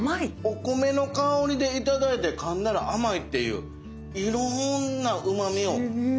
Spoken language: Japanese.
お米の香りでいただいてかんだら甘いっていういろんなうまみを。